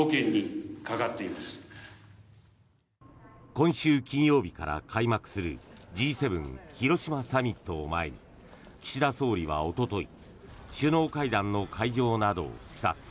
今週金曜日から開幕するＧ７広島サミットを前に岸田総理はおととい首脳会談の会場などを視察。